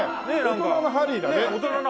大人のハリーだね。